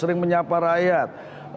sering menyapa rakyat